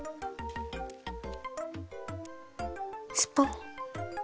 スポン。